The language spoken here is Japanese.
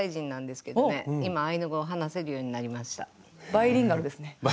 バイリンガルですね。